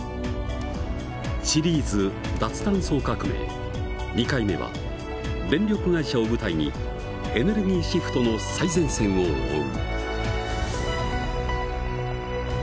シリーズ「脱炭素革命」２回目は電力会社を舞台にエネルギーシフトの最前線を追う。